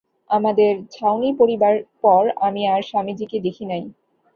আমাদের ছাউনি পড়িবার পর আমি আর স্বামীজীকে দেখি নাই।